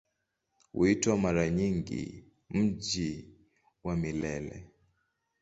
Huitwa mara nyingi "Mji wa Milele".